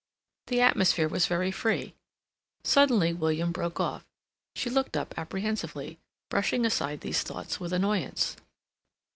The atmosphere was very free. Suddenly William broke off. She looked up apprehensively, brushing aside these thoughts with annoyance.